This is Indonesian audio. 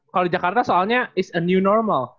kalau di jakarta soalnya it s a new normal